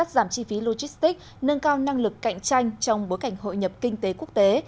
giảm chi phí logistics nâng cao năng lực cạnh tranh trong bối cảnh hội nhập kinh tế quốc tế